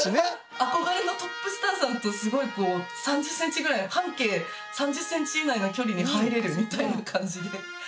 憧れのトップスターさんとすごいこう半径３０センチ以内の距離に入れるみたいな感じで。